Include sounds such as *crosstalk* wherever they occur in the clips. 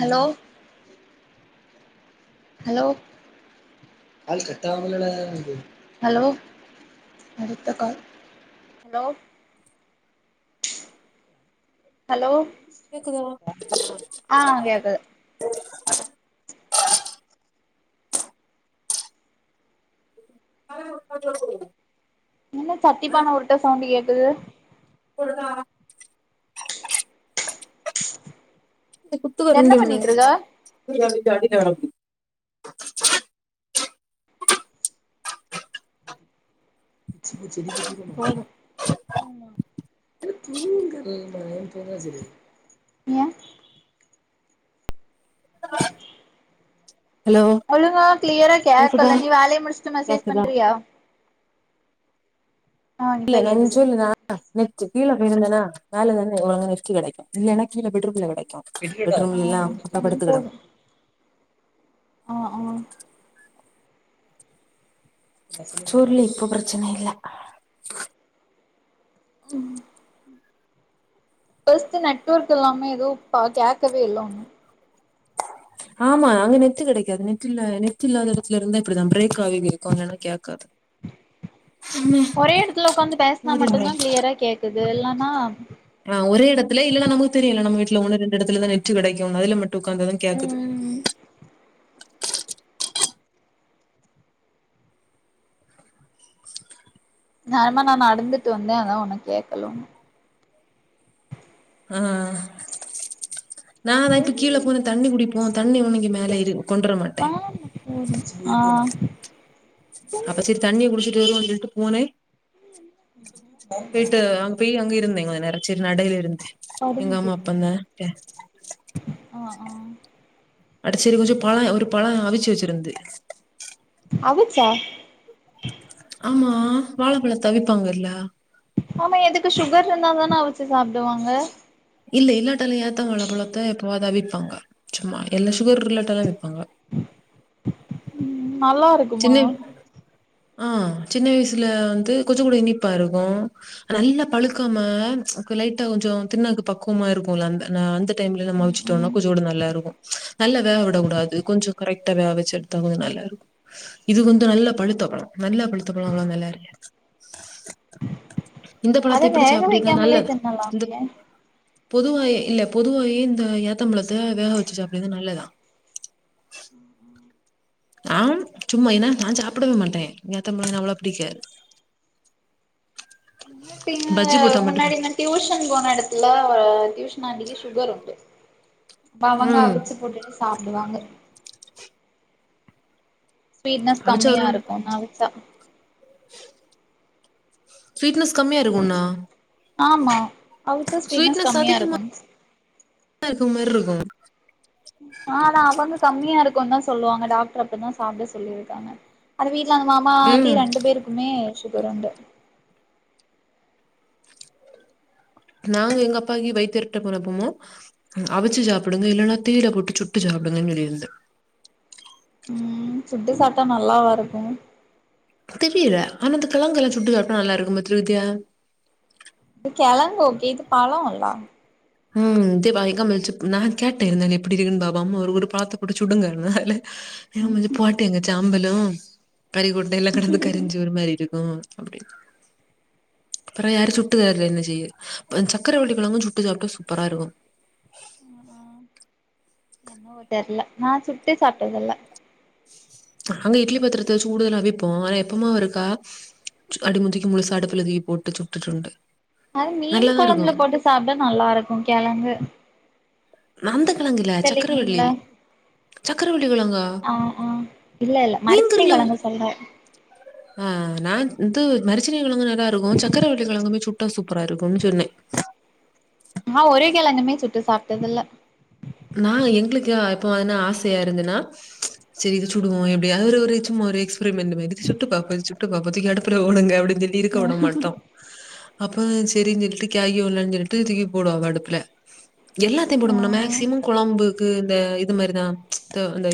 Hello hello hello அடுத்த call hello hello கேக்குதா அ கேக்குது ஹலோ *unintelligible* சொல்லுங்க என்ன சட்டிப்பான உருட்ட சவுண்ட் கேக்குது போட்டுதா குத்து என்ன வரண்டி ஒண்ண பண்ணிட்ருக்க போதும் தண த சரிய ஏ ஹலோ ஒழுங்க கிளியரா கேக்குதா கேட்கல நீ வேலைய முடிச்சுட்டு மெசேஜ் கேக்குதா பண்றியா ஆ இல்ல இப்ப நாஞ் கேக்குது சொல்லு நா ஆ நெட்டு கீழ போயிருந்தனா மேல தானே ஒழுங்கா நெட்டு கெடைக்கு இல்லைனா கீழ பெட்ரூம்ல கெடைக்கு ஆ பெட்ரூம்லெல்லா அப்பா ம் படுத்து கெடந் போது ஆ ஆ சொல்லு இப்போ பிரச்சன இல்ல ம் ஃபஸ்ட்டு நெட்வொர்க் இல்லாம எதுவு இப்ப கேக்கவே இல்ல ஒன்னு ஆமா அங்க நெட்டு கெடைக்காது நெட் இல்ல நெட் இல்லாத எடத்துல இருந்தா இப்டிதா பிரேக் ஆயி கேக் போனனா கேக்காது ஆமா ஒரே *unintelligible* இது இல்லனா அ ஒருே இடத்துல இல்லனா நமக்கு தெரியல நம்ம வீட்டுல ஒன்னு ரெண்டு இடத்துல தான் நெட்டு கிடைக்கும்னு அதுல மட்டும் உட்கார்ந்தா தான் கேக்குது ம் நேரமா நா நடந்துட்டு வந்தே அதா ஒனக்கு கேக்கல ஒன்னு ஆ ஆ நா தா என் இப்ப கீழ போனே தண்ணி குடிப்போ தண்ணி உனக்கு மேல ஏறி கொண்டுவர மாட்டே ம் அ அப்ப சரி தண்ணி குடிச்சிட்டு வரும் வந்துட்டு பூனே போயட்டு அவங் போய் அங்க இருந்தே கொஞ்ச நேர சேரி நடைல இருந்தே எங்க அம்மா அப்பந்தா பே அ அ அது சேரி கொஞ்ச பழ ஒரு பழ அவிச்சு வெச்சிருந்து அவிச்சா ஆமா வாழப்பழத்த அவிப்பாங்கல்ல ஆமா எதுக்கு சுகர் இருந்தா தான அவிச்சு சாப்டுவாங்க இல்ல இல்லாட்டாலா ஏத்தங் பழத்த எப்பயாவுது அத அவிப்பாங்க சும்மா எல்லாம் சுகர் இல்லாட்டாலா அவிப்பாங்க ம் நல்லா இருக் சின்ன ஆ‌ சின்ன வயசுல வந்து கொஞ்சோ கூட இனிப்பா இருக்கு நல்லா பழுக்காம லைட்டா கொஞ்சோ தின்னாக்கு பக்குவமா இருக்குல்ல அ அந்த டைம்ல நம்ம ம் அவுச்சுட்டோம்னா ம் கொஞ்சோட நல்லா இருக்கு நல்லா வேக விட கூடாது கொஞ்சொ கரெக்டா வேக வச்சு எடுத்தா கொஞ்சொ நல்லா இருக்கு இது வந்து நல்ல பழுத்த பழோ நல்ல பழுத்த பழோ அவ்வளாவா நல்லால்லையா இந்த அத பழத்த இப்டி வேக சாப்பிடதா வைக்காமலே நல்லது இந்த தின்னலாமே பொதுவாயே இல்ல பொதுவாயே இந்த ஏத்தம்பழத்த வேக வச்சு சாப்ட்றது நல்லதா ஆம் சும்மா என நா சாப்டவே மாட்டே ஏ ஏத்தோ பழோ அவ்ளோவா பிடிக்காது பஜ்ஜி போட்டா *unintelligible* மட்டும் முன்னாடி மாரி டியூஷன் போன எடத்துல டியூஷன் ஆண்டிக்கு சுகர் உண்டு அப்ப அவங்க ம் அவிச்சு போட்டுட்டு சாப்பிடுவாங்க ஸ்வீட்னஸ் அவிச்சா ஒரு கம்மியாருக்கு அவிச்சா ஸ்வீட்னஸ் கம்மியா இருக்குண்ணா ஆமா அவிச்சா ஸ்வீட்னஸ் கம்மியா அதிகமா இருக்கு தா இருக்குற மாரிருக்கு ஆ அவங்க கம்மியா இருக்கும்னு தா சொல்லுவாங்க டாக்டர் அப்டிதா சாப்ட சொல்லியிருக்காங்க அந்த வீட்ல அந்த மாமா ஆன்ட்டி ம் ரெண்டு பேருக்குமே சுகர் உண்டு நாங்க எங்க அப்பாக்கீ வைத்யர்ட்ட போறப்போமோ அவிச்சு சாப்டுங்க இல்லன்னா தீல போட்டு சுட்டு சாப்டுங்கன் சொல்லிருந்தே ம் சுட்டு சாப்ட்டா நல்லாவா இருக்கு தெரியல ஆனாந்த கிழங்கெல்லா சுட்டு சாப்டா நல்லாருக்கும் பத்திருவியா கிழங்கோக்கே இது பழோம்லா ம் இது பாய்க்கா மில்ச்சு நா கேட்டே இருந்தாலே எப்டி இருக்குன்னு பாப்போ அம்மா ஒரு பழத்ல போட்டு சுடுங்கன்னு லே ம் இது போட்டேங்க ஜா அம்பலோ கறிகொண்டைல கடந்து கறிஞ்சோறு மாரி இருக்கு அப்டின் அப்பறோ யாரு சுட்டு காரு என்ன செய்ய சக்கரவள்ளிகெழங்கு சுட்டு சாப்ட்டா சூப்பராருக்கு தெர்ல நா சுட்டு சாப்டதில்ல நாங்க இட்லி பாத்திரத்த வெச்சு வுடால அவிப்போ ஆனா எப்பமா இருக்கா அடிமுந்திக்கு முழுசா அடுப்ல தூக்கி போட்டு சுட்டுசுண்டு அது மீன் கொழம்புல போட்டு சாப்ட நல்லாருக்கு கெழங்கு அந்தக்கெழங்கு இல்ல சக்கரவள்ளி மீன்ல சக்கரவள்ளி கெழங்கா ஆ ஆ இல்ல இல்ல மீன் மரச்சினி துருல கிழங்கு சொல்ற ஆ நான் இது மரிச்சனை கெழங்கு தா இருக்கு சக்கரவள்ளி கெழங்குமே சுட்டா சூப்பரா இருக்கும்னு சொன்னே நா ஒரெ கெழங்குமே சுட்டு சாப்ட்டது இல்ல நா எங்குளு‌க்கு ஆ இப்போ அதுன்னா ஆசையா இருந்துன்னா செரி இத சுடுவோ எப்டியாது ஒரு சும்மா ஒரு எக்ஸ்ப்ரிமெண்ட் மாதிரி சுட்டு பாப்போ இது சுட்டு பாப்போ தூக்கி அடுப்புல போடுங்க அப்டின் சொல் இருக்க விட மாட்டோ அப்ப செரின் சொல்லிட்டு கேகி ஒடலான் சொல்லிட்டு தூக்கி போடுவாங்க அடுப்புல எல்லாத்தையு ஆ போடம்பனு மேக்சிமம் கொழம்புக்கு இந்த இது மாரிதா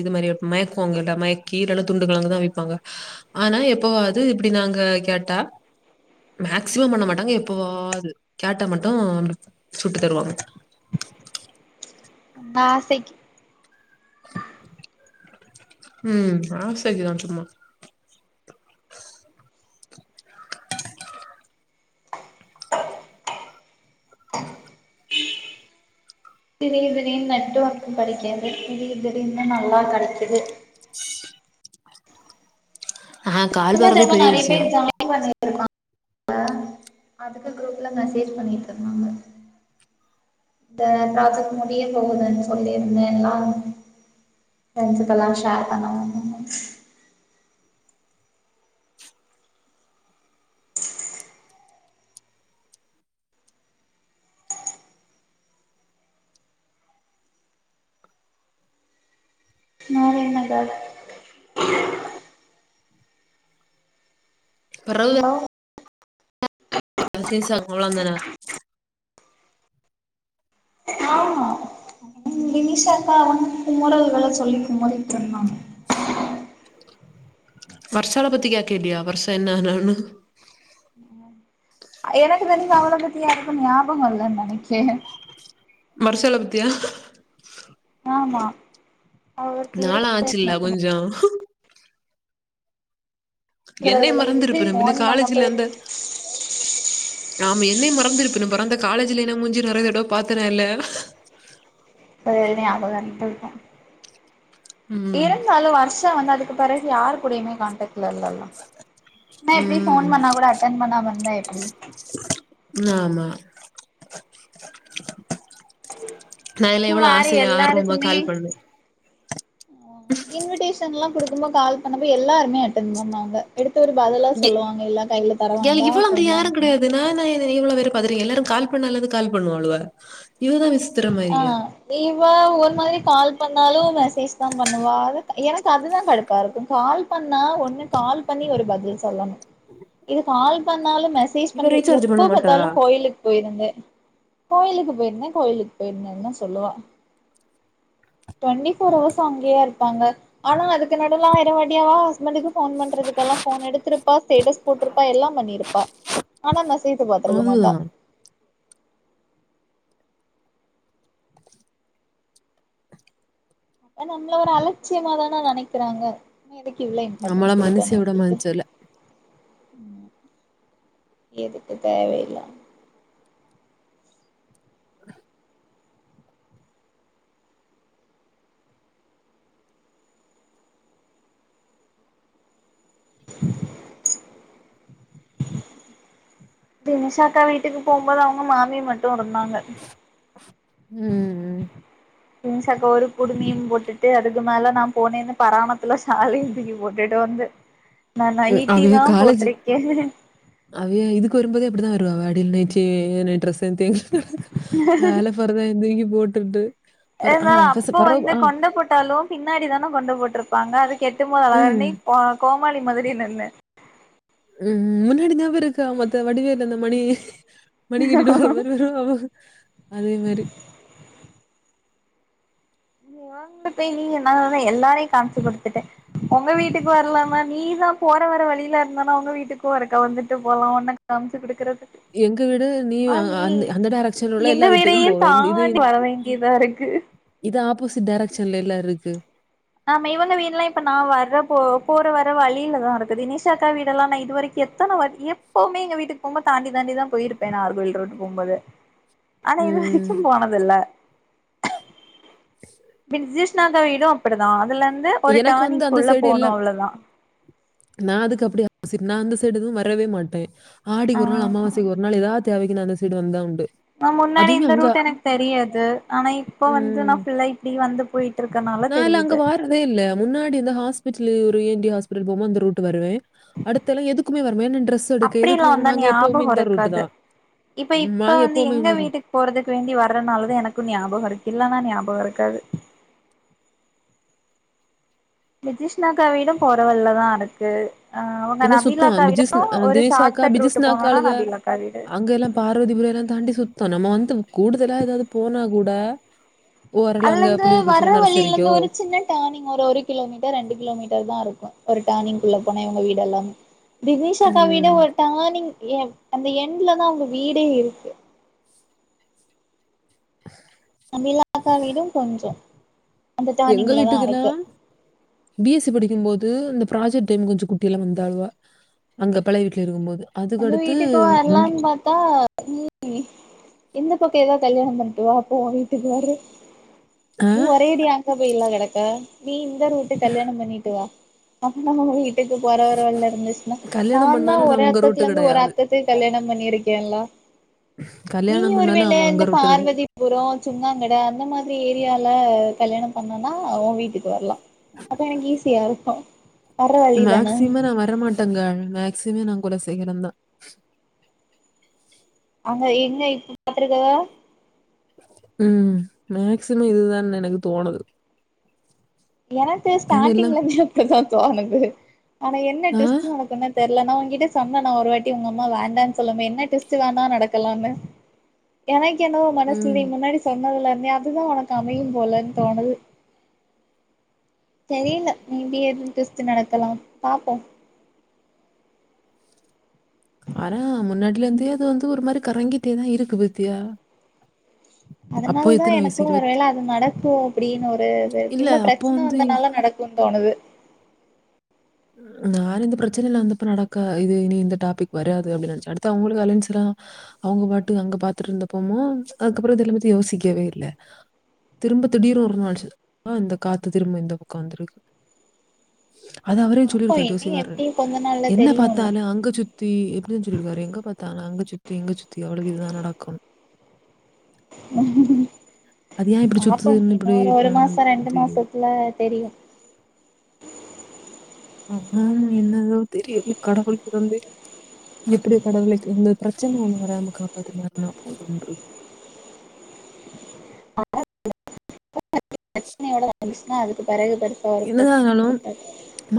இது மாரி மயக்குங்கவாங்கள மயக்கீர துண்டுகெழங்குதா ப்பாங்க ஆனா எப்பவாது இப்டி நாங்க கேட்டா மேக்சிமம் பண்ண ம் மாட்டாங்க எப்போவாவ்து கேட்டா மட்டு அப்டு சுட்டு தருவாங்க நாசக்கீ ம் ஆசக்கிதா சும்மா திடீ திடீர்னு நெட்வொர்க்கு கெடக்காது திடீ திடீர்னும் நல்லா கடக்கீது ஆஹ கால் என்ன வர்றதே தெரியுமா பெரிய நெறைய விஷியோ *unintelligible* அதுக்கு குரூப்ல மெசேஜ் பண்ணிட்டு இருந்தாங்க இந்த புராஜெக்ட் முடிய போகுதுன்னு சொல்லி இருந்தேன்லா ஃப்ரெண்ட்ஸ்கெல்லா ஷேர் பண்ணனு *unintelligible* ஹலோ *unintelligible* வினிஷாக்கா வந்து குமுறல்கள சொல்லி குமுறிட்டுருந்தாங்க வர்ஷாள பத்தி கே கேட்டியா வர்ஷா என்ன ஆனான்னு ஆ ம் எனக்கு தெரிஞ்சு அவ்ள பத்தி யாருக்கும் ஞாபக இல்ல நெனைக்கே மறுசால பத்தியா ஆமா அவ ஒருத்தி நாளு ஆச்சுல்ல கொஞ்சோ என்னைய இருக்கிறதுல இப்டி மறந்துருப்ப பின்ன ஃபோன் காலேஜ்ல பண்ணப்ப இருந்த ஆம என்னை மறந்துருப்பன்னு பறந்த காலேஜ்ல என்ன மூஞ்ச நெறைய தடவ பாத்ததே இல்ல ஒரு வேள ஞாபகம் இருந்திருக்கு ம் இருந்தாலு வர்ஷா வந்து அதுக்கு பெறகு யாருகூடையுமே காண்டக்ட்ல இல்லல்ல ன எப்டி ம் ஃபோன் பண்ணா கூட அட்டென் பண்ணாம இருந்தா எப்டி ஆமா நா எல்லா எவ்ளோ வேற ஆசையா ஆர்வமா எல்லாருக்குமே கால் பண்ணே இன்விடேஷன்லா குடுக்கும்போ கால் பண்ணும்போ எல்லாருமே அட்டன் பண்ணாங்க எடுத்து ஒரு பதிலாவது ஏ சொல்லுவாங்க இல்ல கையில தர ஏல வேண்டா இவள அந்த ஃபோன்ல யாரு அனுப்பணு கெடையாது நானா ஏது இவ்ளோ வேரு பதறி எல்லாரு கால் பண்ணாலாது கால் பண்ணுவாளுவ இதுதா விஷ் ஆ இவா ஒரு மாதிரி கால் பண்ணாலு மெசேஜ் தா பண்ணுவா எனக்கு அதுதா கடுப்பு லாருக்கு கால் பண்ணா ஒன்னு கால் பண்ணி ஒரு பதில் சொல்லணு இது கால் பண்ணாலு மெசேஜ் இவ பண்ற ரீசார்ஜ் எப்போ பண்ண பாத்தாலு மாட்டாளா கோயிலுக் போயிருந்தே கோயிலுக்கு போயிருந்தே கோயிலுக்கு போயிருந்தேன்தா சொல்லுவா டுவெண்டி ஃபோர் ஹவர்ஸ்ஸும் அங்கிய இருப்பாங்க ஆனா அதுக்கு நடுவுல ஆயிரம் வாட்டி அவ ஹஸ்பன்ட்டுக்கு ஃபோன் பண்றதுக்கெல்லா ஃபோன் எடுத்திருப்பா ஸ்டேட்டஸ் போட்ருப்பா எல்லா பண்ணிருப்பா ஆனா மெசேஜ பாத்துருக்க மாட்டா அதுதா அ நம்மள ஒரு அலட்சியமாதான நெனைக்கிறாங்க எதுக்கு இவ்ளோ நம்மள இம்பார்ட்டன்ஸ் கொடுக்கணு மனுஷிய விட உங்களுக்கு மனுஷல எதுக்கு தேவஇல்லாம தினிஷாக்கா வீட்டுக்கு போம்போது அவுங்க மாமி மட்டு இருந்தாங்க ம் தினிஷா அக்கா ஒரு குடுமியு போட்டுட்டு அதுக்கு மேல நாம் போனேந்து பராமத்துல ஷாலையு தூக்கி போட்டுட்டு வந்து நான் ம். நைட்டி தா போட்ருக்கே அவியே இதுக்கு வரும்போது அப்டிதா வருவா அவ அடில் நைட்டியே நைட் ட்ரெஸ் *unintelligible* வேல பரதா எந்தி போட்டுக்குட்டு இருந்தாலு அப்போ வந்து கொண்ட போட்டாலு பின்னாடி தானே கொண்ட போட்டிருப்பாங்க அது கெட்டும் போது அழகா ம், *unintelligible* வா கோமாளி மாதிரி நின்ன ம்முன்னு இருந்தாபாரு கா மத்த வடிவேலந்த மணி மணி கட்டிடுவ வரு வரு அதே மாரி *unintelligible* எல்லாரையு காம்ச்சி குடுத்துட்டே ஒங்க வீட்டுக்கு வரலானா நீதா போற வர வழியில இருந்தனா ஒங்க வீட்டுக்கு ஒருக்க வந்துட்டு போலா ஒன்னக் காம்ச்சு குடுக்குறது எங்க வீடு ஆ அ- நீ அந்த அந்த டைரக்ஷன்ல உள்ள எங்க எல்லா வீட்டுக்கும் வீடையு போவேன் தாண்டி வர வேண்டியதாருக் *unintelligible* இதா ஆப்போசிட் டேரக்ஷன்லல்ல இருக்கு ஆமா இவங்க வீடுல்லா இப்ப நா வர போ போற வர வழியிலதா இருக்குது இனிஷாக்கா வீடல்லா நா இது வரைக் எத்தன வாட்டி எப்பவுமே எங்க வீட்டுக்கு போம்போது தாண்டி தாண்டிதா போயிருப்பே நார்மல் ரோட் போம்போது ஆனா இது ம் வரைக்கும் போனதுல்ல விஜிஸ்னாத வீடும் அப்படிதா அதுல இருந்து ஒரு எனக்கு டார்னிங் குல்ல போணும் அவ்ளதா நா அதுக்கு அப்டிய ஆப்சைட் நா அந்த சைடு எதுவும் வரவே மாட்ட ஆ ஆடிக் ஒரு நாள் அமாவாசைக் ஒரு நாள் எதா தேவைக்கு நா அந்த சைடு வந்தா உண்டு நா முன்னாடி அதுவுமே இந்த அங்க ரூட் எனக் தெரியாது ஆனா இப்போ வந்து நா ம். ஃபுள்ளா இப்டி வந்துப் போயிட்டு இருக்கனால நான் தெரியு அங்க வார்றதே இல்ல முன்னாடி அந்த ஹாஸ்பிட்லு ஒரு இ என் டி ஹாஸ்பட்டல் போம்போது அந்த ரூட் வருவே அடுத்தல்லா எதுக்குமே வரவே ஏன்ன டிரரெஸ் எடுக்க அப்டிலா எதுக்குனால வந்தா நாங்க எப்பவுமே ஞாபகோ இந்த ரூட்டு இருக்காது தா இப்ப இப்ப வந்து எங்க வீட்டுக் போறதுக் வேண்டி வர்றதுனாலத எனக்கும் ஞாபகம் இருக்கு இல்ன்னா ஞாபகம் இருக்காது நிதிஷ்ணக்கா வீடும் போறவல்லதா இருக்கு ஆ ஒங்க பின்ன சுத்தம் நபீலக்கா பிஜிஸ் வீடும் அ ஒரு தினேஷ் ஷார்ட் அக்கா, கட் ரூட்டு் போனனோனா நபீலக்கா வீடு பார்வதி புரல்லா தாண்டி சுத்தோம் நம்ம வந்து கூடுதலா எதாது போனாக் கூட ஓரலா அங்க அல்லந்து புளியங்குறிச்சியில வர்ற வழியில இந்து நர்சரிக்கோ! ஒரு ஜின்ன டேர்னிங் ஒரு கிலோமீட்டர் ரெண்டு கிலோ மீட்டர் தா இருக்கும் ஒரு டேர்னிங்குள்ள போன இவங்க வீடெல்லாமே தினிஷாக்கா ம். வீடும் ஒரு டேர்னிங் எண்ட் அந்த எண்ட்லதா அவ்ங்க வீடே இருக்கு அபிலக்கா வீடும் கொஞ்சோம் எங்க வீட்டுக்குல்லா பி எஸ் சி படிக்கும்போது அந்த ப்ராஜெக்ட் டைம் கொஞ்சோ குட்டில்லா வந்தாள்வா அங்க பழைய வீட்ல இருகும்போது ஒங்க வீட்டுக்கு வர்லான் பாத்தா *inaudible* இந்த பக்கோ எதா கல்யாணம் பண்ட்டு வா அப்ப உ வீட்டுக்கு வரே ஆ நீ ஒரே அடியா அங்போய்ல கெடக்க நீ இந்த ரூட்டு கல்யாணம் பண்ணிட்டு வா *unintelligible* வீட்டுக்கு போறவர வழில இருந்துச்சுன்னா கல்யாணம் நான் தா பண்ணாலும் ஒரே உங்க ரூட்டு ட்லந்து ஒரு கிடையாது. அத்தத்து கல்யாணம் பண்ணிருக்கேளா நீயு கல்யாணம் ஒரு பண்ணாலும் வேள அவன் உங்க இந்தப் ரூட்டு கிடையாது. பார்வதிப் புறோம் சும்மாங்கட அந்த மாரி ஏரியால்ல கல்யாணம் பண்ணனா ஓ வீட்டுக்கு வர்லா அப்ப எனக்கு ஈஸியா இருக்கும் வர்ற வழி தான தங்கள் மேக்சிமம் நா கூட செய்யுனுதா அங்க எங்க இப்ப பாத்துருக்கவ ம் மேக்சிமம் இது தான் எனக்கு தோணுது எனக்கு ஏன்னா எல்லாம் ஸ்டார்டிங்ல இருந்து அப்டிதா தோணுது ஆனா என்ன ஆ டெஸ்டு உனக்கென்ன தெர்லன்னா ஒங்கிட்ட சொன்ன நா ஒரு வாட்டி ஒங்கம்மா வேண்டானு சொல்லுமே என்ன டெஸ் ச்சு வேண்ணாநடக்கலாமே எனக்கு என்னவோ மனசு ம். நீ முன்னாடி சொன்னதெல்லாமே அதுதா ஒனக்கு அமையும் போலன் தோணுது தெரியல மேபி எது டெஸ்ட்டு நடக்கலா பாப்போ அறா முன்னாடியில இந்தே அது வந்து ஒரு மாரி கறங்கிட்டே தா இருக்கு பத்தியா அதனால தா எனக்கு வயசு? ஒருவேள அது நடக்கு அப்டின்னு ஒரு இது இல்ல இவ்ளோ அப்போ பிரச்சன வந்து வந்தனால நடக் குந் தோணுது நானு இந்த ப்ரச்சனைல வந்தப்ப நடக்கா இது இனி இந்த டாபிக் வராது அப்படின் நெனச்ச அடுத்து அவங்களுக்கு அலென்ஸ்லா அவுங்க பாட்டு அங்க பாத்துட்டு இருந்தப்போமு அதுக்கப்புற இத எல்ல பத்தி யோசிக்கவே இல்ல திரும்ப திடீர் ஒரு நாள்ச்சு அ இந்த காத்து திரும்ப இந்த பக்கம் வந்துருக்கு அது அவரே பாப்போ சொல்லியிருக்காரு இனி ஜோசிகார்ரு எப்டி கொஞ்ச நாள்ல என்ன தெரியு பாத்தா இன்னு ஆனா அங்க சு தி எப்டின் சொல்லிடுக்காரு எங்க பாத்தாலு அங்க சுத்தி இங்க சுத்தி அவளுக்கு இதுதா நடக்கும் அது ஏன் இப்படி பாப்போம் சுத்துதுன்னு இன்னு இப்படி ஒரு ஒரு ம், மாச ரெண்டு தெரியும் மாசத்துல தெரியு என்னதோ தெரியல்ல கடவுளுக் வந்து எப்படியோ கடவுளே இந்த பிரச்சன ஒண்ணு வராம காப்பாத்துனார்னா போதும்ன்று *unintelligible* சுன்னா அதுக்கு பெறகு படுத் என்னதாங் வேணு